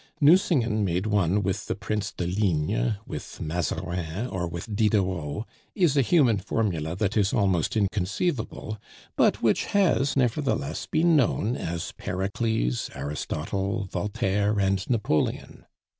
Nucingen made one with the Prince de Ligne, with Mazarin or with Diderot, is a human formula that is almost inconceivable, but which has nevertheless been known as Pericles, Aristotle, Voltaire, and Napoleon.